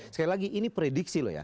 sekali lagi ini prediksi loh ya